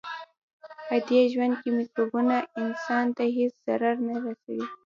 پدې ژوند کې مکروبونه انسان ته هیڅ ضرر نه رسوي.